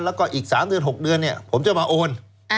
แล้วอีก๓๖เดือนผมจะมาโอน